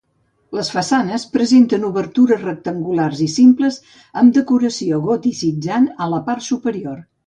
Les façanes presenten obertures rectangulars i simples, amb decoració goticitzant a la part superior.